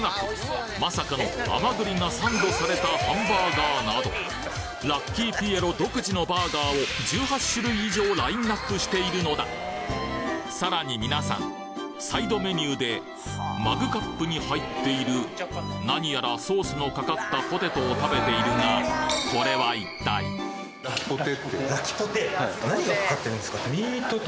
まさかの甘栗がサンドされたハンバーガーなどラッキーピエロ独自のさらに皆さんサイドメニューでマグカップに入っている何やらソースのかかったポテトを食べているがラキポテ？